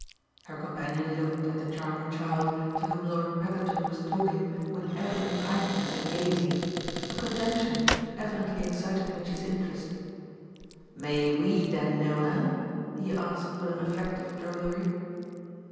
Her companion looked at the charming child, to whom Lord Petherton was talking with evident kindness and gaiety a conjunction that evidently excited Mitchy's interest. "May WE then know her?" he asked with an effect of drollery.